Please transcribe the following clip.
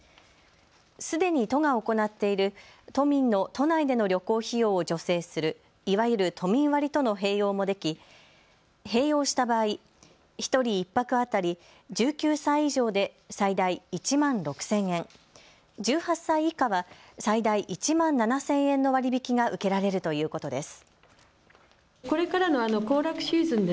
すでに都が行っている都民の都内での旅行費用を助成するいわゆる都民割との併用もでき併用した場合、１人１泊当たり１９歳以上で最大１万６０００円、１８歳以下は最大１万７０００円の割り引きが受けられるということです。